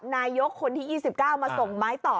นายกคนที่๒๙มาส่งไม้ต่อ